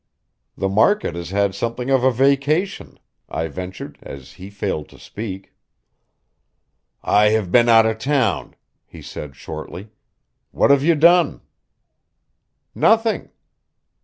"The market has had something of a vacation." I ventured, as he failed to speak. "I have been out of town," he said shortly. "What have you done?" "Nothing."